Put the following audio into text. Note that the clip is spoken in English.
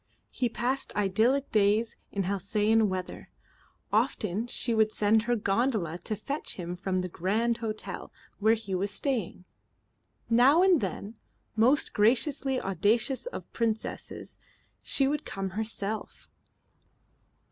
He passed idyllic days in halcyon weather. Often she would send her gondola to fetch him from the Grand Hotel, where he was staying. Now and then, most graciously audacious of princesses, she would come herself.